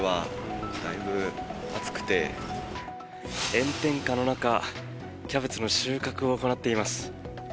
炎天下の中キャベツの収穫を行っています。